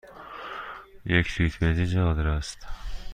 یک لیتر بنزین چقدر است؟